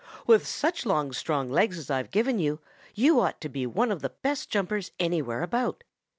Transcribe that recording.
'With such long, strong legs as I've given you, you ought to be one of the best jumpers anywhere about.